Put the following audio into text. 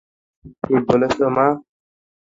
ঠিক বলেছো, মা।